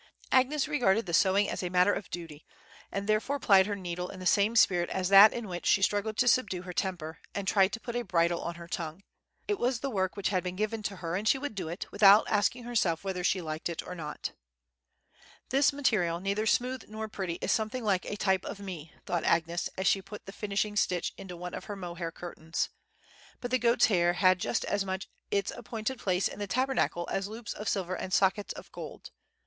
Agnes regarded the sewing as a matter of duty, and therefore plied her needle in the same spirit as that in which she struggled to subdue her temper, and tried to put a bridle on her tongue. It was the work which had been given to her, and she would do it, without asking herself whether she liked it or not. "This material, neither smooth nor pretty, is something like a type of me," thought Agnes, as she put the finishing stitch into one of her mohair curtains; "but the goats' hair had just as much its appointed place in the Tabernacle as loops of silver and sockets of gold.